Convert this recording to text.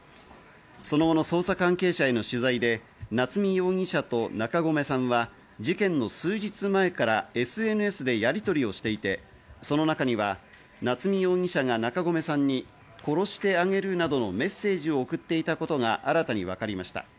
その後の捜査関係者への取材で夏見容疑者と中込さんは事件の数日前からＳＮＳでやりとりをしていてその中には夏見容疑者が中込さんに殺してあげるなどのメッセージを送っていたことが新たに分かりました。